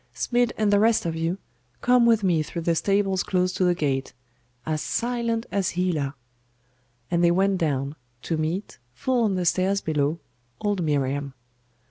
Smid and the rest of you, come with me through the stables close to the gate as silent as Hela.' And they went down to meet, full on the stairs below, old Miriam.